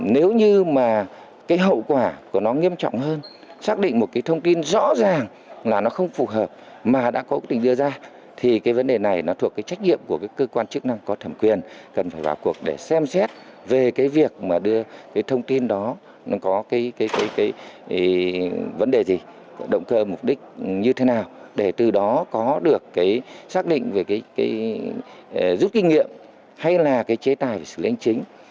nếu như mà cái hậu quả của nó nghiêm trọng hơn xác định một cái thông tin rõ ràng là nó không phù hợp mà đã có quy định đưa ra thì cái vấn đề này nó thuộc cái trách nhiệm của cái cơ quan chức năng có thẩm quyền cần phải vào cuộc để xem xét về cái việc mà đưa cái thông tin đó nó có cái vấn đề gì động cơ mục đích như thế nào để từ đó có được cái xác định về cái giúp kinh nghiệm hay là cái chế tài về sự lãnh chính